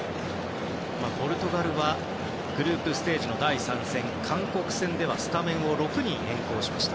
ポルトガルはグループステージの第３戦韓国戦ではスタメンを６人変更しました。